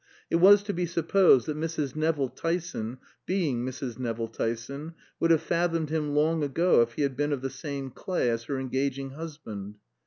It was to be supposed that Mrs. Nevill Tyson, being Mrs. Nevill Tyson, would have fathomed him long ago if he had been of the same clay as her engaging husband.